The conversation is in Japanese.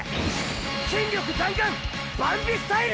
筋力弾丸バンビスタイル！